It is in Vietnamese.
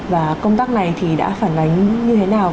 và công tác này thì đã phản ánh như thế nào